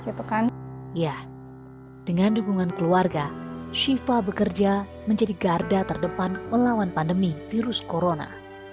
ya dengan dukungan keluarga shiva bekerja menjadi garda terdepan melawan pandemi virus corona